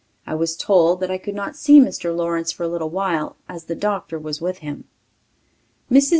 I was told that I could not see Mr. Lawrence for a little while, as the doctor was with him. Mrs.